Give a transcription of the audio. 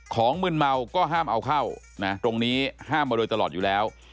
มืนเมาก็ห้ามเอาเข้านะตรงนี้ห้ามมาโดยตลอดอยู่แล้ว